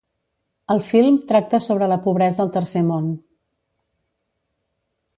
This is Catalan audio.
El film tracta sobre la pobresa al tercer món.